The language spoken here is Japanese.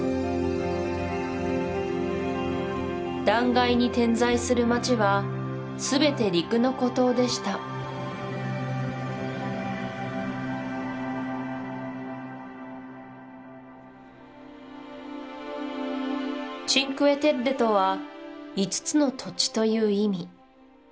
断崖に点在する町は全て陸の孤島でしたチンクエ・テッレとは「５つの土地」という意味